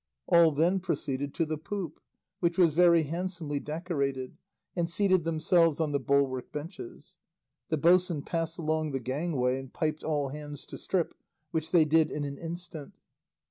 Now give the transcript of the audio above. All then proceeded to the poop, which was very handsomely decorated, and seated themselves on the bulwark benches; the boatswain passed along the gangway and piped all hands to strip, which they did in an instant.